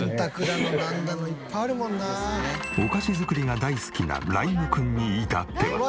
お菓子作りが大好きな麗優心くんに至っては。